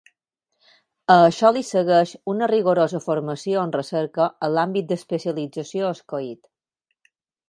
A això li segueix una rigorosa formació en recerca a l'àmbit d'especialització escollit.